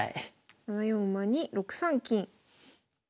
７四馬に６三金。